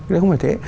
đây không phải thế